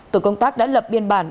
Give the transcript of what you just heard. tổ công tác đã lập biên bản